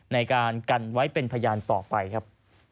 ในการกันไว้เป็นพยานต่อไปครับ